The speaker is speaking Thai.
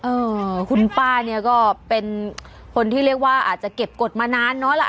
เออคุณป้าเนี่ยก็เป็นคนที่เรียกว่าอาจจะเก็บกฎมานานเนอะล่ะ